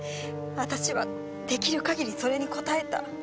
私は出来る限りそれに応えた。